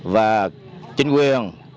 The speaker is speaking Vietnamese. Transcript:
và chính quyền